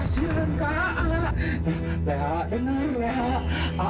aat sudah banyak pengorbanan buat kamu alu atur reha buka